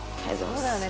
そうだよね。